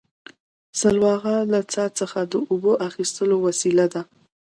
سلواغه له څا څخه د اوبو ایستلو وسیله ده